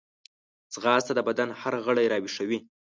ځغاسته د بدن هر غړی راویښوي